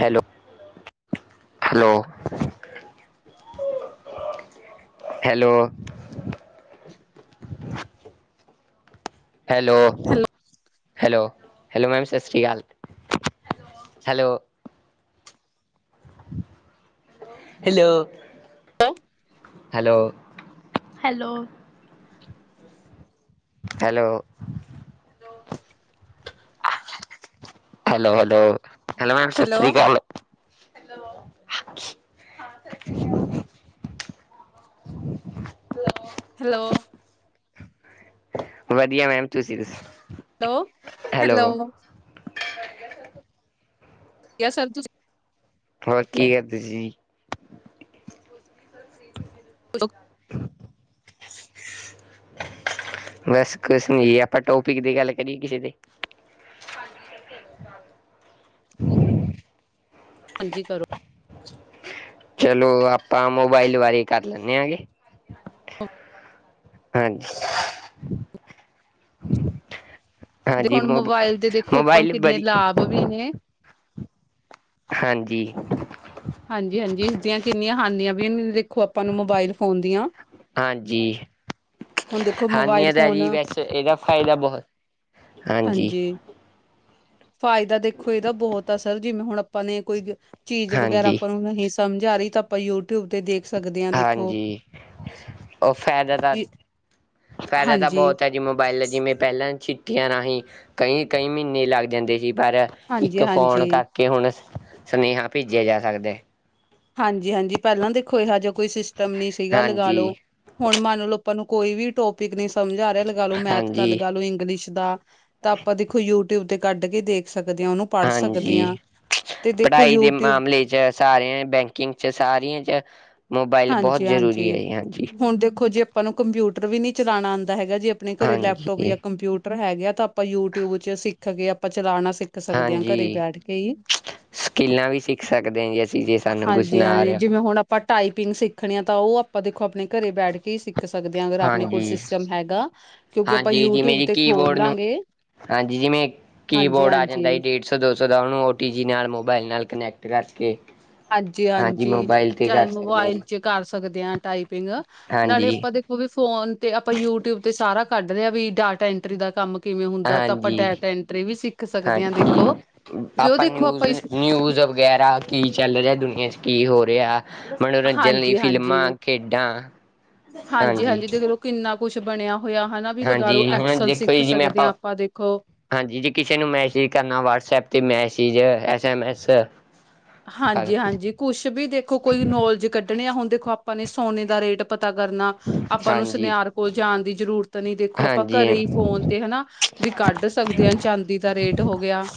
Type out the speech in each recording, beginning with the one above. Hello, hello hello hello hello, hello, hello ma'am ਇਸ ਸੀ਼ ਅਕਾਲ। Hello hello hello, hello. Hello hello, hello, hello ma'am ਸਤ ਸ਼੍ਰੀ ਅਕਾਲ। ਹੈਲੋ ਵਧੀਆ ਮੈਮ, ਤੁਸੀ ਦਸੋ। ਹੈਲੋ, ਹੈਲੋ ਯਸ ਸਰ ਤੁਸੀ ਹੋਰ ਕੀ ਕਰਦੇ ਸੀ ਜੀ। [inaudible] ਬਸ ਕੁਛ ਨੀ ਜੀ ਆਪਾਂ ਟੋਪਿਕ ਦੀ ਗੱਲ ਕਰੀਏ ਕਿਸੇ ਤੇ। [inaudible] ਹਾਂਜੀ ਕਰੋ। ਚਲੋ ਆਪਾਂ ਮੋਬਾਈਲ ਬਾਰੇ ਕਰ ਲੈਨੇ ਆ ਗੇ। ਹਾਂਜੀ। ਦੇਖੋ ਹਾਂਜੀ ਹੁਣ ਮੋ ਮੋਬਾਇਲ ਦੇ ਦੇਖੋ ਆਪਾਂ ਨੂੰ ਮੋਬਾਈਲ ਕਿੰਨੇ ਬਰੀ ਲਾਭ ਵੀ ਨੇ। ਹਾਂਜੀ। ਹਾਂਜੀ, ਹਾਂਜੀ ਇਸ ਦੀਆਂ ਕਿੰਨੀਆਂ ਹਾਨੀਆਂ ਵੀ ਦੇਖੋ ਆਪਾਂ ਨੂੰ ਮੋਬਾਇਲ ਫੋਨ ਦੀਆਂ। ਹਾਂਜੀ। ਹੁਣ ਦੇਖੋ ਮੋਬਾਇਲ ਹਾਂਨੀਆ ਤਾਂ ਫੋਨ ਜੀ ਬਸ ਏਦਾ ਫਾਇਦਾ ਬੋਤ ਹਾਂਜੀ। ਫਾਇਦਾ ਦੇਖੋ ਏਦਾ ਬੋਹਤ ਆ ਸਰ ਜਿਵੇਂ ਹੁਣ ਆਪਾਂ ਨੇ ਕੋਈ ਚੀਜ਼ ਵਗੈਰਾ ਹਾਂਜੀ। ਆਪਾਂ ਨਹੀਂ ਸਮਝ ਆ ਰੀ ਤਾਂ ਆਪਾਂ ਯੂਟਿਊਬ ਤੇ ਦੇਖ ਸਕਦੇ ਹਾਂ ਦੇਖੋ। ਹਾਂਜੀ, ਓ ਫੈਦਾ ਤਾਂ ਹਾਂਜੀ, ਫਾਇਦਾ ਤਾਂ ਬਹੁਤ ਆ ਹਾਂਜੀ, ਜੀ ਮੋਬਾਇਲ ਦਾ, ਜਿਵੇਂ ਪੈਲਾਂ ਚਿੱਠੀਆਂ ਰਾਹੀਂ ਕਈ ਕਈ ਮੀਨੇ ਲੱਗ ਜਾਂਦੇ ਸੀ, ਪਰ ਇੱਕ ਫੋਨ ਹਾਂਜੀ। ਕਰ ਕਿ ਹੁਣ ਸੁਨੇਹਾ ਭੇਜਿਆ ਜਾ ਸਕਦਾ। ਹਾਂਜੀ ਹਾਂਜੀ ਪੈਲਾਂ ਦੇਖੋ ਇਹਾ ਜਿਆ ਸਿਸਟਮ ਨਈ ਸੀਗਾ ਲਗਾ ਹਾਂਜੀ ਲੋ। ਹੁਣ ਮੰਨ ਆਪਾਂ ਨੂੰ ਕੋਈ ਵੀ ਟੋਪਿਕ ਨੀ ਸਮਝ ਆ ਰਿਆ, ਲਗਾ ਲੋ ਮੈਥ ਹਾਂਜੀ ਦਾ ਲੋ, ਇੰਗਲਿਸ਼ ਦਾ। ਤਾਂ ਆਪਾਂ ਦੇਖੋ ਯੂਟਿਊਬ ਤੇ ਕੱਢ ਕੇ ਦੇਖ ਸਕਦੇ ਆਂ ਓਨੂੰ। ਹਾਂਜੀ ਪੜ੍ਹਾਈ ਦੇ ਯੂਟਿਊਬ ਮਾਮਲੇ 'ਚ ਸਾਰਿਆਂ ਬੈਂਕਿੰਗ 'ਚ ਸਾਰੀਆਂ 'ਚ ਮੋਬਾਇਲ ਬੋਤ ਜ਼ਰੂਰੀ ਹਾਂਜੀ-ਹਾਂਜੀ ਐ ਜੀ ਹਾਂਜੀ। ਹੁਣ ਦੇਖੋ ਜੇ ਆਪਾਂ ਨੂੰ ਕੰਪਿਊਟਰ ਵੀ ਨੀ ਚਲਾਣਾ ਆਂਦਾ ਹੈਗਾ, ਜੇ ਆਪਣੇ ਘਰੇ ਹਾਂਜੀ ਲੈਪਟੋਪ ਹਾਂਜੀ ਜਾਂ ਕੰਪਿਊਟਰ ਹੈਗੇ ਆ ਤਾਂ ਆਪਾਂ ਯੂਟਿਊਬ ਚ ਸਿੱਖ ਕੇ ਆਪਾਂ ਚਲਾਣਾ ਸਿੱਖ ਸਕਦੇ ਹਾਂ ਘਰੇ ਹਾਂਜੀ ਬੈਠ ਕੇ ਈ ਸਕਿੱਲਾਂ ਵੀ ਸਿੱਖ ਸਕਦੇ ਆਂ ਜੀ ਅਸੀਂ ਜੇ ਸਾਨੂੰ ਕੁੱਛ ਨਾ ਆ ਹਾਂਜੀ-ਹਾਂਜੀ ਰਿਆ। ਜਿਵੇਂ ਹੁਣ ਆਪਾਂ ਟਾਈਪਿੰਗ ਸਿੱਖਣੀ ਆ ਤਾਂ ਓ ਆਪਾਂ ਦੇਖੋ ਆਪਣੇ ਘਰੇ ਬੈਠ ਕੇ ਈ ਸਿੱਖ ਸਕਦੇ ਹਾਂ ਅਗਰ ਆਪਣੇ ਕੋਲ ਹਾਂਜੀ ਸਿਸਟਮ ਹੈਗਾ। ਕਿਉਂਕਿ ਆਪਾਂ ਹਾਂਜੀ ਜਿਵੇਂ ਯੂਟਿਊਬ ਜੀ ਤੇ ਖੋਲ ਕੀਬੋਰਡ ਨੂੰ, ਲਾਂਗੇ ਹਾਂਜੀ ਜਿਵੇਂ ਕੀਬੋਰਡ ਆ ਹਾਂਜੀ-ਹਾਂਜੀ, ਜਾਂਦਾ ਸੀ ਡੇਟ ਡੇੇਢ ਸੌ, ਦੋ ਸੋ ਦਾ ਓਨੂੰ ਓ ਟੀ ਜੀ ਨਾਲ ਮੋਬਾਇਲ ਨਾਲ ਕਨੈਕਟ ਕਰਕੇ। ਹਾਂਜੀ ਹਾਂਜੀ ਮੋਬਾਇਲ ਤੇ ਚਾਏ ਕਰ ਸਕਦੇ ਹਾਂ ਮੋਬਾਈਲ 'ਚ ਕਰ ਸਕਦੇ ਆਂ ਟਾਈਪਿੰਗ। ਨਾਲੇ ਹਾਂਜੀ ਆਪਾਂ ਦੇ ਓ ਵੀ ਫੋਨ ਤੇ ਆਪਾਂ ਯੂਟਿਊਬ ਤੇ ਸਾਰਾ ਕੱਢ ਲਿਆ ਵੀ ਡਾਟਾ ਐਂਟਰੀ ਦਾ ਕੰਮ। ਕਿਵੇਂ ਹੁੰਦਾ ਤਾਂ ਆਪਾਂ ਹਾਂਜੀ ਡੈਟ ਐਂਟਰੀ ਵੀ ਸਿੱਖ ਸਕਦੇ ਆਂ ਦੇਖੋ। ਹਾਂਜੀ ਵੀ ਉਹ ਆਪਾਂ ਦੇਖੋ ਨਿਊਜ਼ ਇਸ ਨਿਊਜ ਵਗੈਰਾ ਕੀ ਚੱਲ ਰਿਆ ਦੁਨੀਆਂ 'ਚ, ਕੀ ਹੋ ਰਿਆ। ਮਨੋਰੰਜਨ ਲਈ ਹਾਂਜੀ-ਹਾਂਜੀ। ਫਿਲਮਾਂ, ਖੇਡਾਂ ਹਾਂਜੀ। ਹਾਂਜੀ-ਹਾਂਜੀ ਦੇਖਲੋ ਕਿੰਨਾ ਕੁਛ ਬਣਿਆ ਹੋਇਆ ਹਨਾ ਵੀ ਲਗਾ ਹਾਂਜੀ ਲੋ ਹੁਣ ਐਕਸਲ ਦੇਖੋ ਸਿੱਖ ਜੀ ਜਿਵੇਂ ਸਕਦੇ ਆਂ ਆਪਾਂ ਦੇਖੋ। ਹਾਂਜੀ ਜੇ ਕਿਸੇ ਨੂੰ ਮੈਸੇਜ ਕਰਨਾ ਵਟਸਐਪ ਤੇ ਮੈਸਜ, ਐਸਮ ਐਸ। ਹਾਂਜੀ, ਹਾਂਜੀ ਕੁਛ ਵੀ ਦੇਖੋ ਕੋਈ ਨੌਲੇਜ ਕੱ ਢਣੇ ਆ ਹੁਣ ਦੇਖੋ ਆਪਾ ਨੇ ਸੋਨੇ ਦਾ ਰੇਟ ਪਤਾ ਕਰਨਾ। ਆਪਾ ਨੂੰ ਹਾਂਜੀ ਸਨਿਆਰ ਕੋਲ ਜਾਣ ਦੀ ਜਰੂਤ ਨੀਂ ਦੇਖੋ ਆਪ ਹਾਂਜੀ ਘਰੇ ਈ ਫੋਨ ਤੇ ਹਨਾ ਵੀ ਕੱਢ ਸਕਦੇ ਆਂ ਚਾਂਦੀ ਦਾ ਰੇਟ ਹੋ ਗਿਆ।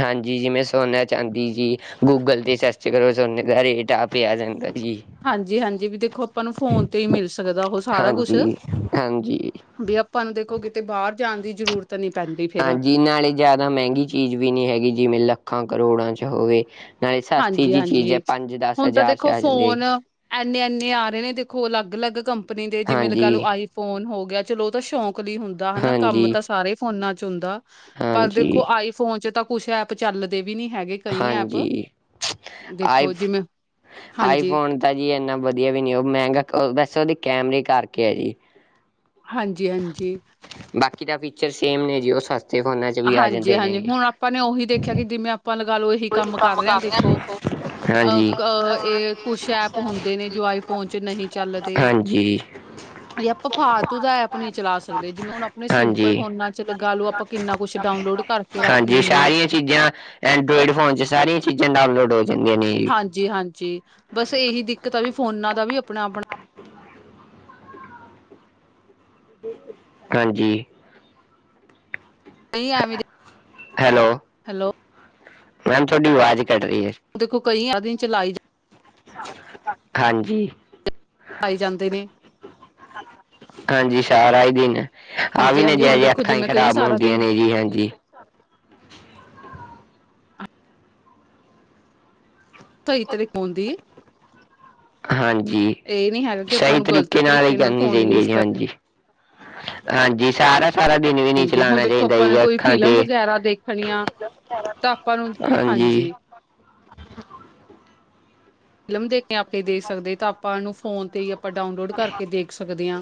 ਹਾਂਜੀ ਜਿਮੇਂ ਸੋਨਾ- ਚਾਂਦੀ ਜੀ। ਗੂਗਲ ਤੇ ਸਰਚ ਕਰੋ ਸੋਨੇ ਦਾ ਰੇਟ ਆਪ ਈ ਆ ਜਾਂਦਾ ਜੀ। ਹਾਂਜੀ-ਹਾਂਜੀ ਵੀ ਦੇਖੋ ਆਪਾ ਨੂੰ ਫੋਨ ਤੇ ਈ ਮਿਲ ਸਕਦਾ ਓਹੋ ਸਾਰਾ ਕੁਸ਼। ਹਾਂਜੀ ਹਾਂਜੀ ਵੀ ਆਪਾਂ ਨੂੰ ਦੇਖੋ ਕਿਤੇ ਬਾਰ ਜਾਣ ਦੀ ਜ਼ਰੂਰਤ ਤ ਨੀਂ ਪੈਂਦੀ। ਫੇਰ ਆਂਜੀ ਨਾਲੇ ਜ਼ਾਦਾ ਮੈਂਗੀ ਚੀਜ਼ ਵੀ ਨੀ ਹੈਗੀ ਜਿਵੇਂ ਲੱਖਾਂ-ਕਰੋੜਾਂ 'ਚ ਹੋਵੇ। ਨਾਏ ਸਸਤੀ ਜੀ ਚੀਜ਼ ਐ ਹਾਂਜੀ-ਹਾਂਜੀ ਪੰਜ-ਦਸ ਹੁਣ ਤਾਂ ਹਜ਼ਾਰ 'ਚ ਦੇਖੋ ਆ ਜਾਂਦੀ ਐਗੀ। ਫੋਨ ਐਨੇ-ਐਨੇ ਆ ਰੇ ਨੇ ਦੇਖੋ ਅਲੱਗ-ਅਲੱਗ ਕੰਪਨੀ ਦੇ ਜਿਵੇਂ ਲਗਾਲੋ ਹਾਂਜੀ ਆਈ ਫੋਨ ਹੋ ਗਿਆ ਚਲੋ ਓਤਾ ਸ਼ੌਕ ਲੀ ਹੁੰਦਾ ਹੈਨਾ ਕੰਮ ਹਾਂਜੀ ਤਾ ਸਾਰੇ ਫੋਨਾਂ 'ਚ ਹੁਂਦਾ। ਪਰ ਦੇਖੋ ਹਾਂਜੀ ਆਈ ਫੋਨ 'ਚ ਤਾ ਕੁਛ ਐਪ ਚੱਲਦੇ ਵੀ ਨੀਂ ਹੈਗੇ। ਕਈ ਐਪ ਹਾਂਜੀ, ਆਈ ਦੇਖੋ ਫ, ਜਿਵੇਂ ਆਈ ਹਾਂਜੀ, ਫੋਨ ਤਾ ਜੀ ਐਨਾ ਵਧੀਆ ਵੀ ਨੀ ਉਅ ਮੈਂਗਾ ਕਅ ਵੈਸ ਓਦੇ ਕੈਮਰੇ ਕਾਰਕੇ ਐ ਜੀ। ਹਾਂਜੀ-ਹਾਜੀ। ਬਾਕੀ ਤਾ ਫੀਚਰ ਸੇਮ ਨੇ ਜੀ, ਓ ਸਸਤੇ ਫੋਨਾਂ 'ਚ ਵੀ ਆ ਜਾਂਦੇ ਨੇਗੇ। ਆਪਾ ਨੇ ਓਹੀ ਦੇਖਿਆ ਕਿ ਜਿਵੇਂ ਆਪ ਆਪਾਂ ਲਗਾ ਲੋ ਏਹੀ ਕੰਮ ਕਰ ਰੇਆਂ ਦੇਖੋ, ਅ ਹਾਂਜੀ ਕਅ ਏ ਕੁਛ ਐਪ ਹੁੰਦੇ ਨੇ ਜੋ ਆਈ ਫੋਨ 'ਚ ਨਹੀਂ ਚੱਲਦੇ। ਹਾਂਜੀ। ਏ ਆਪਾ ਫਾਅਤੂ ਦਾ ਐਪ ਨੀਂ ਚਲਾ ਸਕਦੇ ਜਿਵੇਂ ਹੁਣ ਆਪਣੇ ਸਿੰਪਲ ਹਾਂਜੀ, ਫੋਨਾਂ 'ਚ ਲਗਾਲੋ ਆਪਾਂ ਕਿੰਨਾ ਕੁਛ ਡਾਊਨਲੋਡ ਕਰਕੇ ਰੱਖ ਹਾਂਜੀ ਲੇਨੇਂ ਆ। ਸਾਰੀਆਂ ਚੀਜ਼ਾਂ ਐਂਡਰੋਇਡ ਫੋਨ 'ਚ ਸਾਰੀਆਂ ਚੀਜ਼ਾਂ ਡਾਊਨਲੋਡ ਹੋ ਜਂਦੀਆਂ ਨੇ। ਹਂਜੀ-ਹਾਂਜੀ, ਬਸ ਏਹੀ ਦਿੱਕਤ ਆ ਵੀ ਫੋਨਾਂ ਦਾ ਵੀ ਅਪਣਾ-ਅਪਣਾ ਹਾਂਜੀ। ਨਈਂ ਐਂਵੇ ਦੀ ਹੈਲੌ। ਹੈਲੋ। ਮੈਮ ਥੋਡੀ ਅਵਾਜ਼ ਕਟ ਰੀ ਏ। ਦੇਖੋ ਕਈਆਂ ਦੀ ਚਲਾਈ ਜਾ ਹਾਂਜੀ। ਆਈ ਜਾਂਦੇ ਨੇ। ਹਾਂਜੀ ਸਾਰਾ ਈ ਦਿਨ ਆਹ ਵੀ ਹਾਂਜੀ ਹਾਂਜੀ ਹੁਣ ਨਜੈਰ ਦੇਖੋ ਅੱਖਾਂ ਈ ਜਿਵੇਂ ਕਈ ਖਰਾਬ ਸਾਰਾ ਹੁੰਦੀਆਂ ਦਿਨ ਨੇ ਜੀ ਹਾਂਜੀ। ਥਈ ਤਰੇ ਪੋਂਓਦੀ। ਹਾਂਜੀ, ਇਹ ਨੀ ਹੈਗਾ ਕਿ ਆਪਾਂ ਸ਼ਈ ਨੂੰ ਗ਼ਲਤ ਤਰੀਕੇ ਨਾਲ ਈ ਕਰਨੀ ਫੋਨ ਚਾਈਂਦੀ ਐ ਯੂਜ ਜੀ, ਕਰ ਹਾਂਜੀ। ਹਾਂਜੀ ਸਾਰਾ ਸਾਰਾ ਦਿਨ ਵੀ ਨੀ ਹਾਂਜੀ ਹੁਣ ਚਲਾਣਾ ਦੇਖੋ ਚਾਈਦਾ ਆਪਾਂ ਨੇ ਜੀ ਕੋਈ ਅੱਖਾਂ ਫਿਲਮ ਤੇ, ਵਗੈਰਾ ਦੇਖਣੀ ਆ ਤਾਂ ਆਪਾਂ ਨੂੰ ਹਾਂਜੀ। ਫਿਲਮ ਦੇਖ ਕੇ ਆਪੇਂ ਦੇ ਸਗਦੇ ਤਾ ਆਪਾ ਅਨੂੰ ਫੋਨ ਤੇ ਈ ਆਪਾ ਡਾਊਨਲੋਡ ਕਰਕੇ ਦੇਖ ਸਕਦੇ ਆਂ।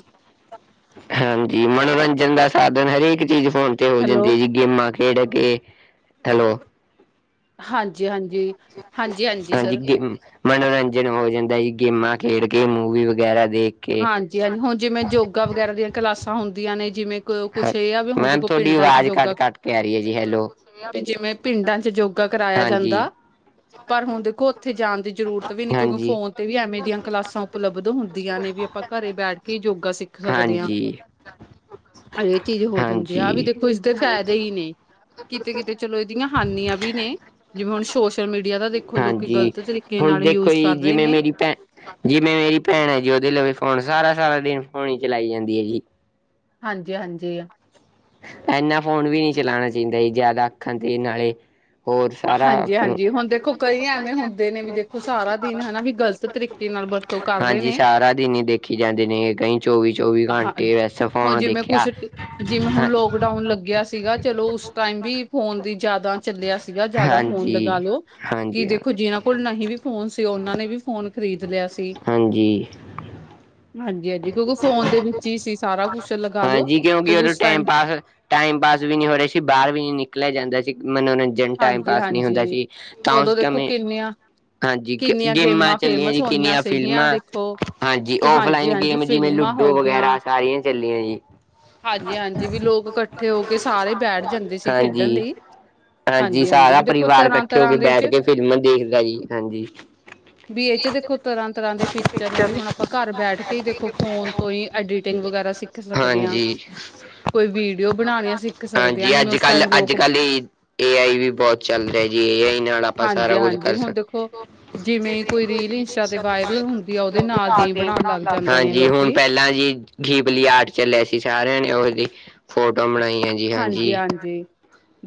ਹਾਂਜੀ ਮਨੋਰੰਜਨ ਦਾ ਸਾਦਨ ਹਰੇਕ ਚੀਜ਼ ਫੋਨ ਤੇ ਹੋ ਹੈਲੋ ਜੇਂਦੀ ਅ ਜੀ ਗੇਮਾਂ ਖੇਡ ਕੇ ਹੈਲੋ। ਹਾਂਜੀ-ਹਾਂਜੀ। ਹਾਂਜੀ ਕਿਹ ਮਨੋਰੰਜਨ ਹੋ ਜਾਂਦੈ ਜੀ ਗੇਮਾਂ ਖੇਡ ਕੇ ਮੂਵੀ ਵਗੈਰਾ ਦੇਖ ਕੇ ਹਾਂਜੀ-ਹਾਂਜ ਹੁਣ ਜਿਮੇਂ ਜੋਗਾ ਵਗੈਰਾ ਦੀਆ ਕਲਾਸਾਂ ਹੁੰਦੀਆਂ ਨੇ ਜਿਮੇਂ ਕ ਹ ਕੁਛ ਇ ਆ ਵੀ ਹੁਣ ਮੈਮ ਦੇਖੋ ਤੁਹਾਡੀ ਪਿੰਡਾਂ 'ਚ ਆਵਾਜ਼ ਕੱਟ ਜੋਗਾ, ਕੱਟ ਕੇ ਆ ਰਹੀ ਹੈ ਜੀ ਹੈਲੋ ਪਿ ਜਿਵੇਂ ਪਿੰਡਾਂ 'ਚ ਜੋਗਾ ਕਰਾਆ ਹਾਂਜੀ ਜਾਂਦਾ। ਪਰ ਹੁਣ ਦੇਖੋ ਓਥੇ ਜਾਣ ਦੀ ਜ਼ਰੂਰਤ ਵੀ ਨੀ ਕਿਉਂਕਿ ਹਾਂਜੀ ਫੋਨ ਤੇ ਵੀ ਐਵੇਂ ਦੀਆਂ ਕਲਾਸਾਂ ਉਪਲਬਧ ਹੋਂਦੀਆਂ ਨੇ। ਵੀ ਆਪਾਂ ਘਰੇ ਬੈਠ ਕੇ ਯੋਗਾ ਸਿੱਖ ਸਕਦੇ ਆਂ ਹਾਂਜੀ ਏ ਚੀਜ਼ ਹੋ ਜਾਂਦੀ ਹਾਂਜੀ ਆਹ ਵੀ ਦੇਖੋ ਇਸਦੇ ਫਾਇਦੇ ਈ ਨੇ, ਕਿਤੇ -ਕਿਤੇ ਚਲੋ ਏਦੀਆਂ ਹਾਨੀਆਂ ਵੀ ਨੇ, ਜਿਵੇਂ ਹੁਣ ਸੋਸ਼ਲ ਮੀਡੀਆ ਦਾ ਦੇਖੋ ਲੋਕੀ ਹਾਂਜੀ ਗ਼ਲਤ ਤਰੀਕੇ ਹੁਣ ਨਾਲ ਦੇਖੋ ਯੂਜ ਜੀ ਕਰ ਰਹੇ ਜਿਵੇਂ ਨੇ ਮੇਰੀ ਭੈਣ ਜਿਵੇਂ ਮੇਰੀ ਭੈਣ ਐ ਜੀ ਓਦੇ ਲ ਫੋਨ ਸਾਰਾ -ਸਾਰਾ ਦਿਨ ਫੋਨ ਹੀ ਚਲਾਈ ਜਾਂਦੀ ਐ ਜੀ। ਹਾਂਜੀ - ਹਾਂਜੀ। ਏਨਾ ਫੋਨ ਵੀ ਨਈ ਚਲਾਣਾ ਚਾਈਦਾ ਜੀ ਜ਼ਾਦਾ ਅੱਖਾਂ ਤੇ ਨਾਲੇ ਹੋਰ ਸਾਰਾ ਆਪਣਾ- ਹਾਂਜੀ-ਹਾਂਜੀ ਹੁਣ ਦੇਖੋ ਕਈ ਐਵੇਂ ਹੁੰਦੇ ਨੇ ਵੀ ਦੇਖੋ ਸਾਰਾ ਦਿਨ ਹਨਾ ਵੀ ਗ਼ਲਤ ਤਰੀਕੇ ਨਾਲ ਵਰਤੋਂ [unintelligible] ਕਰ ਰਹੇ ਹਾਂਜੀ ਨੇ ਸਾਰਾ ਦਿਨ ਈ ਦੇਖੀ ਜਾਂਦੇ ਨੇ ਕਈ ਚੌਵੀ -ਚੌਵੀ ਹਾਂ ਘੰਟੇ ਤੇ ਬਸ ਫੋਨ ਦੇਖੇਆ, ਅ ਡਾਊਨ ਲੱਗੇਆ ਸੀਗਾ ਚਲੋ ਉਸ ਟਾਈਮ ਵੀ ਫੋਨ ਦੀ ਜ਼ਾਦਾ ਚੱਲੇਆ ਸ ਜਾ ਜਾਦਾ ਫੋਨ ਲਗਾ ਹਾਂਜੀ ਲੋੋ ਕਿ ਹਾਂਜੀ ਹਾਂ ਦੇਖੋ ਜਿਨਾਂ ਕੋਲ ਨਹੀਂ ਵੀ ਫੋਨ ਸੀ ਓਨਾਂ ਨੇ ਵੀ ਫੋਨ ਖ਼ਰੀਦ ਲੇਆ ਸੀ। ਹਾਂਜੀ। ਹਾਂਜੀ -ਹਾਂਜੀ ਕਿਉਂਕਿ ਫੋਨ ਦੇ ਵਿੱਚ ਈ ਸੀ ਸਾਰਾ ਕੁਛ ਲਗਾਲੋ, ਹਾਂਜੀ ਕਿਉਂਕਿ ਉਦੋਂ ਉਸ ਟਾਈਮ ਪਾਸ ਟਾਈਮ ਪਾਸ ਵੀ ਨਈ ਹੋ ਰੇਆ ਸੀ ਬਾਰ ਵੀ ਨੀ ਨਿਕਲੇਆ ਜਾਂਦਾ ਸੀ ਮਨੋਰੰਜਨ ਟਾਈਮ ਪਾਸ ਨਈ ਹੁੰਦਾ ਹਾਂਜੀ-ਹਾਂਜੀ ਸੀ ਤਾਂ ਉਸ ਉਦੋਂ ਦੇਖੋ ਸਮੇਂ ਕਿੰਨੀਆਂ ਹਾਂਜੀ ਗੇ ਕਿੰਨੀਆਂ ਗੇਮਾਂ ਚੱਲੀਆਂ ਫੇਮਸ ਜੀ, ਹੋਈਆਂ ਕਿੰਨੀਆਂ ਸੀਗੀਆਂ ਫਿਲਮਾਂ, ਦੇਖੋ ਹਾਂਜੀ ਕਿ ਔਫਲਾਈਨ ਹਾਂਜੀ-ਹਾਂਜੀ ਗੇਮ ਜਿਵੇਂ, ਫਿਲਮਾਂ ਹੋ ਲੁੱਡੋ ਵਗੈਰਾ ਸਾਰੀਆਂ ਚੱਲੀਆਂ ਜੀ। ਹਾਂਜੀ- ਹਾਂਜੀ ਵੀ ਲੋਕ ਕੱਠੇ ਹੋ ਕੇ ਸਾਰੇ ਬੈਠ ਜਾਂਦੇ ਸੀ ਖੇਡਣ ਹਾਂਜੀ ਲਈ ਹਾਂਜੀ ਹਾਂਜੀ-ਹਾਂਜੀ ਸਾਰਾ ਵੀ ਦੇਖੋ ਪਰਿਵਾਰ ਇਕੱਠੇ ਹੋ ਕੇ ਤਰ੍ਹਾਂ-ਤਰ੍ਹਾਂ ਦੇ ਬੈਠ ਚ ਕੇ ਫਿਲਮ ਦੇਖਦਾ ਜੀ ਹਾਂਜੀ। ਬੀ ਏਚ ਦੇਖੋ ਤਰ੍ਹਾ- ਤਰ੍ਹਾਂ ਦੇ ਫੀਚਰ ਨੇ ਵੀ ਹੁਣ ਆਪਾਂ ਘਰ ਬੈਠ ਕੇ ਤੇ ਦੇਖੋ ਫੋਨ ਤੋਂ ਈ ਐਡੀਟਿੰਗ ਵਗੈਰਾ ਸਿੱਖ ਸਕਦੇ ਆ। ਹਾਂਜੀ। ਕੋਈ ਵੀਡਿਓ ਬਨਾਣੀਆਂ ਸਿੱਖ ਸਕਦੇ ਹਾਂਜੀ ਆਂ ਜਿਵੇਂ ਅੱਜ ਉਸ ਕੱਲ ਟਾਈਮ ਲੋ ਅੱਜ- ਕੱਲ ਏ ਏ, ਆਈ ਵੀ ਬੋਤ ਚੱਲ ਰੇਆ ਜੀ ਏ, ਆਈ ਨਾਲ ਆਪਾਂ ਸਾਰਾ ਕੁਝ ਹਾਂਜੀ-ਹਾਂਜੀ ਕਰ ਹੁਣ ਸਕਦੇ। ਦੇਖੋ ਜਿਵੇਂ ਹੀ ਜਿਵੇ ਕੋਈ ਰੀਲ ਵਿੱਚ ਇੰਸਟਾ ਤੇ ਸ਼ਬਦ ਵਾਇਰਲ ਆਏ ਨਾ ਹੁੰਦੀ ਆ ਯਾ ਉਹਦੇ ਓਦੇ ਦੀਆਂ ਹੀ ਨਾਲ ਏ, ਆਈ ਬਣਾਣ ਬਣਾਉਣ ਲੱਗ ਜਾਂਦੇ ਨੇ ਹਾਂਜੀ ਹੁਣ ਲੋਕੀ। ਪੈ ਪੇਲਾਂ ਜੀ ਗੀਪਲੀ ਆਰਟ ਚੱਲੇਆ ਸੀ ਸਾਰਿਆਂ ਨੇ ਓਦੀ ਫੋਟੋ ਬਣਾਈਆਂ ਸੀ। ਹਾਂਜੀ -ਹਾਂਜੀ, ਹਾਂਜੀ-ਹਾਂਜੀ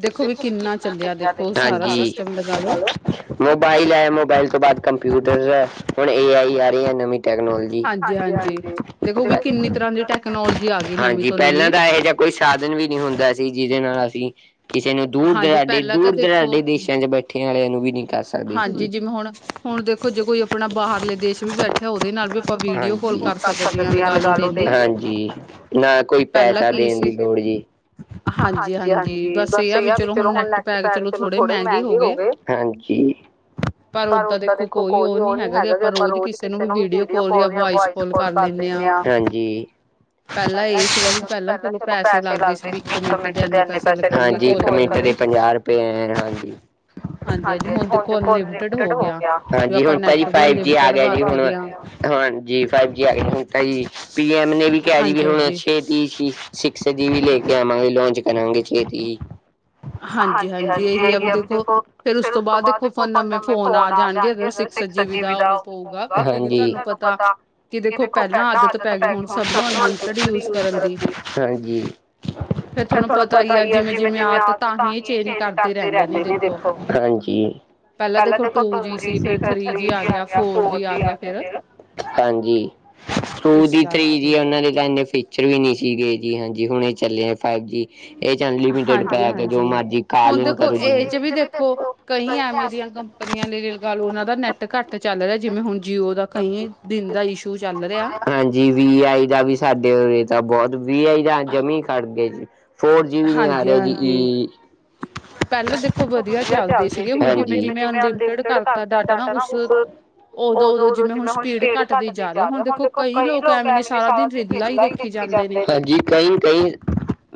ਦੇਖੋ ਵੀ ਕਿੰਨਾ ਚੱਲਿਆ ਦੇਖੋ ਸਾਰਾ ਸਿਸਟਮ ਲਗਾ ਲੋ। [unintelligible] ਮੋਬਾਇਲ ਆਏ, ਮੋਬਾਈਲ ਤੋਂ ਬਾਅਦ ਕੰਪਿਊਟਰ, ਹੁਣ ਏ ਆਈ ਆ ਰਈ ਐ ਨਵੀਂ ਟੈਕਨੋਲੋਜੀ। ਹਾਂਜੀ-ਹਾਂਜੀ ਦੇਖੋ ਵੀ ਕਿੰਨੀ ਹਾਂਜੀ ਤਰ੍ਹਾਂ ਦੀ ਟੈਕਨੋਲੋਜੀ ਆ ਗਈ - ਨਵੀਂ ਹਾਂਜੀ ਤੋਂ ਪੇਲਾਂ ਨਵੀਂ। ਤਾਂ ਐਹੋ ਜੇਆ ਕੋਈ ਸਾਧਨ ਵੀ ਨਹੀਂ ਹੁੰਦਾ ਸੀ ਜਿਦੇ ਨਾਲ ਅਸੀਂ ਕਿਸੇ ਨੂੰ ਦੂਰ- ਹਾਂਜੀ ਪਹਿਲਾਂ ਤਾਂ ਦੁਰਾਡੇ-ਦੂਰ ਦੇਖੋ -ਦਰਾਡੇ ਦੇਸ਼ਾ ਚ ਬੈਠੇ ਇਕੱਠੇਆਂ ਵਾਲੇਆਂ ਨੂੰ ਵੀ ਨਈ ਕਰ ਸਕ ਹਾਂਜੀ ਜਿਵੇਂ ਹੁਣ, ਹੁਣ ਦੇਖੋ ਜੇ ਕੋਈ ਆਪਣਾ ਬਾਹਰਲੇ ਦੇਸ਼ ਵੀ ਬੈਠੇ ਹਾਂਜੀ ਹਾਂ ਲਗਾ ਲੋ ਡੇਲੀ -ਹਾਂਜੀ ਨਾ ਕੋਈ ਪਹਿਲਾਂ ਪੈਸਾ ਕੀ ਦੇਣ ਦੀ ਸੀ ਲੋੜ ਜੀ। ਹਾਂਜੀ- ਹਾਂਜੀ ਬਸ ਏ ਆ ਵੀ ਚਲੋ ਹੁਣ ਨੈੱਟ ਪੈਕ ਚਲੋ ਥੋੜੇ ਮੇਂਗੇ ਹੋ ਗਏ। ਹਾਂਜੀ, ਪਰ ਓਦਾ ਦੇਖੋ ਕੋਈ ਓ ਨੀ ਹੈਗਾ ਜੇ ਆਪਾਂ ਰੋਜ਼ ਕਿਸੇ ਨੂੰ ਵੀ ਵੀਡੀਓ ਕੋਲ ਜਾ ਵੋਏਸ ਕੋਲ ਕਰ ਲੇਂਨੇ ਆ ਹਾਂਜੀ। ਪਹਿਲਾਂ ਇਹ ਸੀਗਾ ਵੀ ਪਹਿਲਾਂ ਚਲੋ ਪੇਲਾਂ-ਪੇਲਾਂ-ਪੇਲਾ-ਪੇਲਾ ਪੈਸੇ ਲੱਗਦੇ ਵੀ ਸੀ ਇੱਕ ਮਿੰਟ ਦੇ ਇੰਨੇ ਏਨੇ ਪੈਸੇ ਲੱਗਣੇ ਲੱਗਣਗੇ ਹਾਜੀ। ਕਾਲ ਇੱਕ ਮਿੰਟ ਕਰਨ ਦੇ ਪੰਜਾਹ ਰੁਪਏ ਐ ਹਾਂਜੀ। ਹਾਂਜੀ ਹਾਂਜੀ ਹਾਂਜੀ-ਹਾਂਜੀ ਹੁਣ ਦੇਖੋ ਅਨਲਿਮਟਿਡ ਅਨਲੀਮਟਡ ਹੋ ਗਿਆ ਗੇਆ, ਵੀ ਹਾਂਜੀ ਆਪਾਂ ਹੁਣ ਫਈ ਨੈਟ ਵੀ ਫਾਈਵ ਜੀ ਆ ਅਨਲਿਮਟਿਡ ਗੇਆ ਜੀ ਹੁਣ ਵਰਤਦੇ ਹਾਂ ਹਾ ਹਾਂਜੀ ਫਾਇਵ ਜੀ ਆ ਗਏ ਹੁਣ ਤਾਂ ਜੀ, ਪੀ ਐਮ ਨੇ ਵੀ ਕੇਆ ਜੀ ਵੀ ਹਾਂਜੀ ਹੁਣ ਛੇ ਹਾਂਜੀ ਛੇਤੀ ਹੀ, ਸਿਕਸ ਜੀ ਵੀ ਲੈ ਕੇ ਆਵਾਂਗੇ, ਲਾਂਚ ਕਰਾਂਗੇ ਛੇਤੀ। ਹਾਂਜੀ -ਹਾਂਜੀ ਏਹੀ ਆ ਵੀ ਦੇਖੋ, ਫੇਰ ਉਸ ਤੋਂ ਬਾਅਦ ਦੇਖੋ ਨਵੇਂ ਫੋਨ ਆ ਜਾਣਗੇ ਅਗਰ ਸਿਕਸ ਜੀ-ਬੀ ਦਾ ਹੋਊਗਾ ਤੁਆਨੂੰ ਪਤਾ ਕਿ ਦੇਖੋ ਪਹਿਲਾਂ ਆਦਤ ਪੈ ਗਈ ਹੁਣ [unintelligible] ਪਪਰ ਯੂਜ ਕਰਨ ਦੀ ਫਿਰ ਤੁਹਾਨੂੰ ਪਤਾ ਹੀ ਆ ਜਿਵੇਂ ਜਿਵੇਂ ਆਦਤ ਭਾਵੇਂ ਇਹ ਚੇਂਜ ਕਰਦੇ ਰਹਿੰਦੇ ਨੇ ਦੇਖੋ। ਹਾਂਜੀ ਪਹਿਲਾਂ ਦੇਖੋ ਟੂ ਜੀ ਸੀ। ਫਿਰ ਥਰੀ ਜੀ ਆ ਗਿਆ ਫੋਰ ਜੀ ਆ ਗਿਆ ਫਿਰ ਹਾਂਜੀ। ਟੂ ਇਸ ਜੀ ਥ੍ਰੀ ਜੀ ਕਰਕੇ ਉਹਨਾ ਦੇ ਤਾਂ ਇਨੇ ਫੀ ਚਰ ਵੀ ਨਹੀਂ ਸੀਗੇ ਜੀ ਹਾਂਜੀ ਹੁਣੇ ਚੱਲੇ ਫਾਈਵ ਜੀ। ਇਹ ਚ ਅਨਲਿਮਟਿਡ ਪੈਕ ਜੋ ਹਾਂਜੀ-ਹਾਂਜੀ ਮਰਜੀ ਹੁਣ ਕਾਲ ਦੇਖੋ ਕਰੋ ਜ ਇਹ ਚ ਵੀ ਦੇਖੋ ਕਈ ਐਵੇਂ ਦੀਆਂ ਕੰਪਨੀਆਂ ਦੇ ਲਗਾ ਲਓ। ਉਹਨਾਂ ਦਾ ਨੈੱਟ ਘੱਟ ਚੱਲ ਰਿਹਾ ਜਿਵੇਂ ਹੁਣ ਜੀਓ ਦਾ ਕਈ ਦਿਨ ਦਾ ਇਸ਼ੂ ਚੱਲ ਰਿਹਾ। ਹਾਂਜੀ ਵੀ ਆਈ ਦਾ ਵੀ ਸਾਡੇ ਤਾਂ ਬਹੁਤ ਵੀ ਆਈ ਦਾ ਜਮੀ ਖੜ ਗਏ ਜੀ। ਫੋਰ ਜੀ ਵੀ ਨਹੀਂ ਆ ਰਿਹਾ ਜੀ ਹਾਂਜੀ-ਹਾਂਜੀ ਈ ਪਹਿਲਾਂ ਦੇਖੋ ਵਧੀਆ ਚੱਲਦੇ ਸੀਗੇ। ਹੁਣ ਜਿਵੇਂ ਹਾਂਜੀ। ਜਿਵੇਂ ਅਨਲਿਮਟਿਡ ਕਰਤਾ ਡਾਟਾ ਨਾ ਉਸ ਉਦੋਂ ਉਦੋਂ ਜਿਵੇਂ ਜਿਵੇਂ ਹੁਣ ਸਪੀਡ ਘੱਟਦੀ ਜਾ ਰਹੀ ਆ ਹੈ। ਹੁਣ ਦੇਖੋ ਕਈ ਲੋਕ ਐਵੇਂ ਨੇ ਸਾਰਾ ਦੀ ਵੇਹਲਾ ਹੀ ਦੇਖੀ ਜਾਂਦੇ ਨੇ। ਕਈ -ਕਈ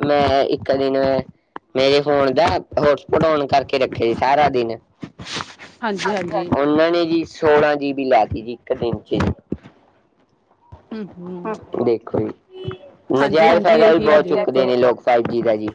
ਮੈਂ ਇੱਕ ਦਿਨ ਮੈਂ ਮੇਰੇ ਫੋਨ ਦਾ ਹੋਟਸਪੋਟ ਓਂਨ ਕਰਕੇ ਰੱਖੇ ਸੀ। ਸਾਰਾ ਦਿਨ ਹਾਂਜੀ-ਹਾਂਜੀ ਉਹਨਾਂ ਨੇ ਜੀ ਸੋਲਾਂ ਜੀਬੀ ਲਾ ਤੀ ਜੀ ਇੱਕ ਦਿਨ ਚ ਹੂੰ-ਹੂੰ ਦੇਖੋ ਜੀ ਨਜਾਇਜ਼ ਹਾਂਜੀ-ਹਾਂਜੀ ਫਾਇਦਾ ਵੀ ਇਹੀ ਬਹੁਤ ਅੱਜ ਚੁੱਕਦੇ ਦੇਖੋ ਨੇ ਲੋਕ ਫਾਈਵ ਜੀ ਦਾ ਜੀ।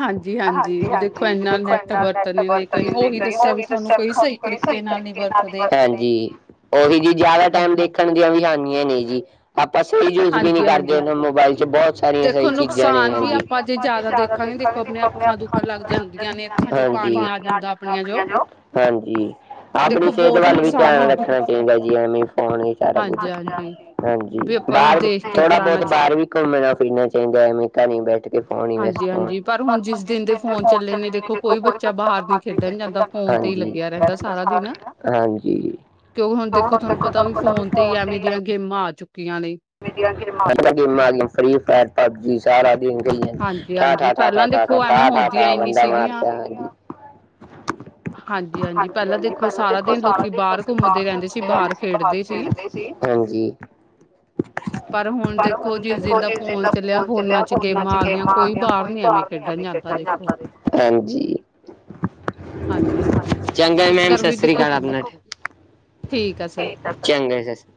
ਹਾਂਜੀ-ਹਾਂਜੀ ਹਾਂਜੀ ਵੀ ਦੇਖੋ -ਹਾਂਜੀ ਤੇ ਇੰਨਾ ਦੇਖੋ ਨੈੱਟ ਇਨਾ ਨੈਟ ਵਰਤਣੇ ਨੇ ਕਈ ਵਰਤਨਗੇ ਉਹੀ ਤਾਂ ਨਹੀਂ ਦੱਸਿਆ ਹੋ ਵੀ ਗਈ ਤੁਹਾਨੂੰ ਸਿਮ ਖ਼ਤਮ। ਕਈ ਸਹੀ ਨੀ ਤਰੀਕੇ ਨਾਲ ਨਹੀਂ ਵਰਤਦੇ ਹਨ ਜੀ। ਉਹੀ ਜਿਆਦਾ ਟਾਈਮ ਹਾਂਜੀ ਦੇਖਣ ਦੀਆਂ ਵੀ ਹਾਂਜੀ। ਨਹੀਂ ਨਹੀਂ ਜੀ। ਆਪਾਂ ਸਹੀ ਯੂਜ ਵੀ ਨੀ ਕਰਦੇ। ਹਾਂਜੀ-ਹਾਂਜੀ ਉਹ ਮੋਬਾਇਲ ਚ ਬਹੁਤ ਸਾਰੀਆਂ ਸਹੀ ਦੇਖੋ ਚੀਜ਼ਾਂ ਨੇ ਨੁਕਸਾਨ ਵੀ ਹਾਂਜੀ। ਆਪਾਂ ਜੇ ਅਜ ਜ਼ਿਆਦਾ ਜਿਆਦਾ ਦੇਖਾਂਗੇ ਦੇਖਣਗੇ ਦੇਖੋ ਆਪਣੀਆਂ ਅੱਖਾਂ ਦੁਖਣ ਲੱਗ ਨੇ ਜਾਂਦੀਆਂ ਅੱਖਾਂ ਚੋਂ ਪਾਣੀ ਆ ਜਾਂਦਾ ਜੋ ਆਪਣੀਆਂ ਚ ਹਾਂਜੀ ਆਪਣੀ ਦੇਖੋ ਸਿਹਤ ਬਹੁਤ ਵੱਲ ਵੀ ਨੁਕਸਾਨ ਧਿਆਨ ਹੁੰਦਾ। ਰੱਖਣਾ ਚਾਹੀਦਾ ਜੀ ਐਵੇ ਫੋਨ ਨੀ ਸਾਰਾ ਕੁਛ [unintelligible] ਬਾਹਰ ਕੇ ਥੋੜਾ ਚਲਾਣਾ ਬਹੁਤ ਚ ਬਾਹਰ ਵੀ ਘੁੰਮਣਾ ਫਿਰਨਾ ਚਾਹੀਦਾ। ਐਵੇਂ ਘਰ ਬੈਠ ਕੇ ਫੋਨ ਹੀ ਬਸ ਫੋਨ ਪਰ ਹੁਣ ਜਿਸ ਦਿਨ ਦੇ ਫੋਨ ਚੱਲੇ ਨੇ ਦੇਖੋ ਕੋਈ ਬੱਚਾ ਬਾਹਰ ਨਹੀਂ ਖੇਡਣ ਜਾਂਦਾ ਫੋਨ ਤੇ ਲੱਗਿਆ ਰਹਿੰਦਾ ਸਾਰਾ ਦਿਨ ਹਾਂਜੀ। ਤੇ ਉਹ ਹੁਣ ਦੇਖੋ ਤੁਹਾਨੂੰ ਪਤਾ ਵੀ ਫੋਨ ਤੇ ਹੀ ਐਵੇਂ ਦੀਆਂ ਗੇਮਾਂ ਆ ਚੁੱਕੀਆਂ ਨੇ ਕਿੰਨੀਆਂ ਗੇਮਾਂ ਆ ਗਈਆ [unintelligible] ਫ੍ਰੀ ਫਾਇਰ ਪਬਜੀ ਸਾਰਾ ਦਿਨ ਗਈ ਠਾ- ਹਾਂਜੀ-ਹਾਂਜੀ ਠਾ -ਠਾ ਪਹਿਲਾਂ -ਠਾ- ਠਾ- ਦੇਖੋ ਠਾ ਐਵੇਂ ਠਾ- ਠਾ ਹੁੰਦੀਆਂ ਹੀ ਨੀ ਬੰਦਾ ਸੀਗੀਆਂ। ਮਾਰਦਾ ਹਾਂ। [inaudible] ਹਾਂਜੀ ਹਾਂਜੀ ਪਹਿਲਾਂ ਦੇਖੋ ਸਾਰਾ ਦਿਨ ਲੋਕੀ ਬਾਹਰ ਘੁੰਮਦੇ ਰਹਿੰਦੇ ਸੀ ਬਾਹਰ ਖੇਡਦੇ ਸੀ। ਤੇ ਹਾਂਜੀ। ਪਰ ਹੁਣ ਦੇਖੋ ਜਿਸ ਦਿਨ ਦਾ ਫੋਨ ਚੱਲਿਆ। ਹੁਣ ਹਾਂਜੀ ਗੇਮਾਂ ਆ ਗਈਆਂ ਕੋਈ ਬਾਹਰ ਨੀ ਆ ਵੀ ਖੇਡਣ ਜਾਂਦਾ। ਹਾਂਜੀ ਹਾਂਜੀ-ਹਾਂਜੀ ਚੰਗਾ ਇਸ ਮੈਮ ਕਰ ਸਤਿ ਵੀ ਸ੍ਰੀ ਦੇਖੋ ਅਕਾਲ ਆਪ ਠੀਕ ਆ। ਸਰ ਸਬ ਚੰਗਾ ਸਤਿ ਸ਼੍ਰੀ ਅਕਾਲ